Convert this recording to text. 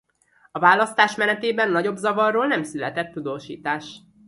A választás menetében nagyobb zavarról nem született tudósítás.